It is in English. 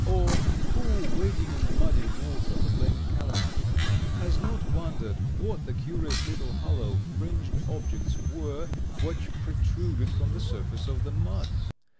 Or who, wading in the muddy water of Lake Calumet, has not wondered what the curious little hollow, fringed objects were which protruded from the surface of the mud?